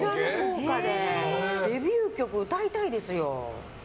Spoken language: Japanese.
デビュー曲、歌いたいですよ。